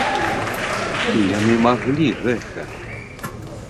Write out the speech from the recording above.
І яны маглі гэта!